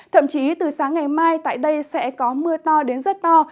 thậm chí từ sáng ngày mai tại đây sẽ có mưa to đến rất to